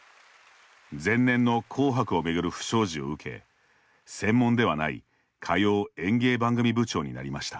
前年の紅白をめぐる不祥事を受け専門ではない歌謡・演芸番組部長になりました。